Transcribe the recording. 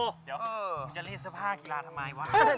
เดี๋ยวกูจะรีดเสื้อผ้ากีฬาทำไมวะ